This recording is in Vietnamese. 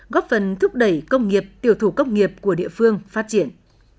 góp phần thúc đẩy công nghiệp tiểu thủ công nghiệp của địa phương phát triển